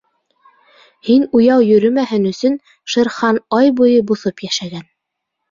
— Һин уяу йөрөмәһен өсөн Шер Хан ай буйы боҫоп йәшәгән.